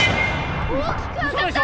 大きく上がった！